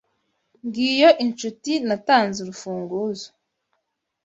Ngiyo inshuti natanze urufunguzo.